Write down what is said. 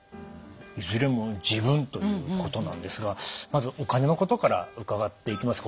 いずれも「自分」ということなんですがまずお金のことから伺っていきます。